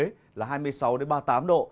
thừa thiên huế là hai mươi sáu đến ba mươi tám độ